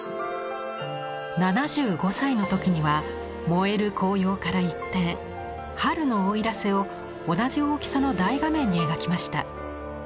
７５歳の時には燃える紅葉から一転春の奥入瀬を同じ大きさの大画面に描きました。